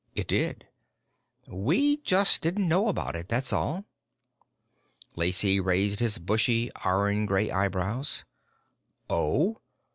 It did. We just didn't know about it, that's all." Lacey raised his bushy, iron gray eyebrows. "Oh?